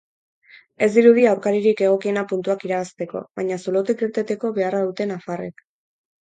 Ez dirudi aurkaririk egokiena puntuak irabazteko, baina zulotik irteteko beharra dute nafarrek.